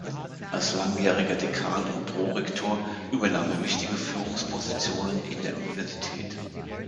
Als langjähriger Dekan und Prorektor übernahm er wichtige Führungspositionen in der Universität.